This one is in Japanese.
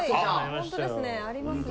本当ですねありますね。